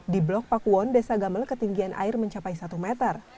di blok pakuwon desa gamel ketinggian air mencapai satu meter